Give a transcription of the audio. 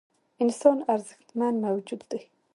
انسان ارزښتمن موجود دی .